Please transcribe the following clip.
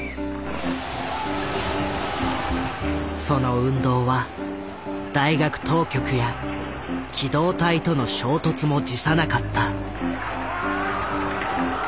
その運動は大学当局や機動隊との衝突も辞さなかった。